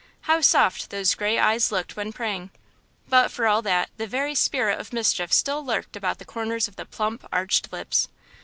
How soft those gray eyes looked when praying! But for all that, the very spirit of mischief still lurked about the corners of the plump, arched lips.